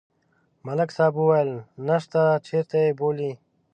ملک صاحب ویل: نشته، چېرته یې بولي؟